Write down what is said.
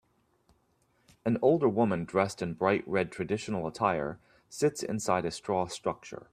An older woman dressed in bright red traditional attire sits inside a straw structure.